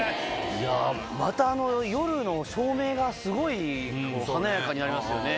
また夜の照明がすごい華やかになりますよね。